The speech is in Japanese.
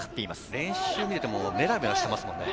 練習を見ていてもメラメラしていますもんね。